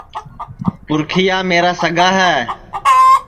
پُرکھِِیا میرا سگا ہے